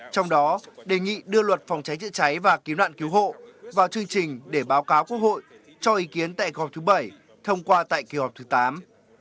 trong đó đề nghị đưa luật phòng cháy chữa cháy và kiếm đoạn cứu hộ vào chương trình để báo cáo quốc hội cho ý kiến tại kỳ họp thứ bảy thông qua tại kỳ họp thứ tám